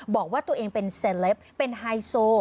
บอกว่าตัวเองเป็นเซลปเป็นไฮโซ